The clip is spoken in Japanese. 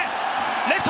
レフト！